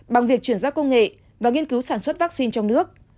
bằng việc chuyển giao công nghệ và nghiên cứu sản xuất vaccine trong nước